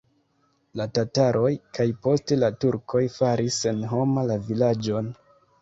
La tataroj kaj poste la turkoj faris senhoma la vilaĝon.